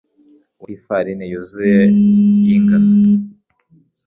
wi farini yuzuye y’ingano.